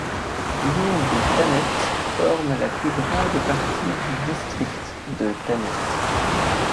L'île de Thanet forme la plus grande partie du district de Thanet.